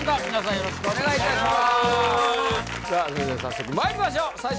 よろしくお願いします